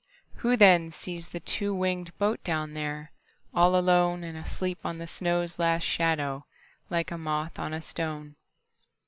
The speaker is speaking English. Who then sees the two wingedBoat down there, all aloneAnd asleep on the snow's last shadow, Like a moth on a stone?